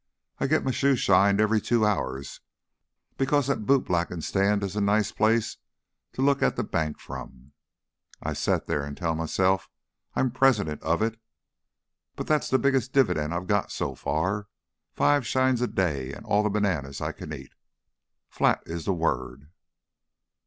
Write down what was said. "I get my shoes shined every two hours because that bootblackin' stand is a nice place to look at the bank from. I set there an' tell myself I'm president of it! But that's the biggest dividend I've got, so far five shines a day an' all the bananas I can eat. 'Flat' is the word."